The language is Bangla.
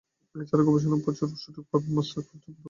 এছাড়া গবেষণা করার প্রচুর সুযোগ পাবেন মাস্টার্স এবং উচ্চতর পর্যায়ে।